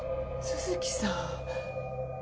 都築さん。